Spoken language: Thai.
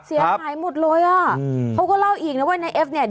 เสียหายหมดเลยอ่ะอืมเขาก็เล่าอีกนะว่านายเอฟเนี่ย